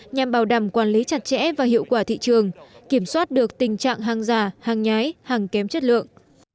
nhằm bảo đảm quản lý chặt chẽ và hiệu quả thị trường kiểm soát được tình trạng hàng giả hàng nhái hàng kém chất lượng